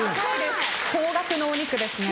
高額のお肉ですね。